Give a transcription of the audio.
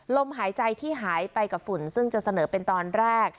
ลมหายใจที่หายไปกับฝุ่นซึ่งจะเสนอเป็นตอนแรก